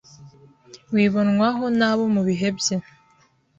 wibonwamo n’abo mu bihe bye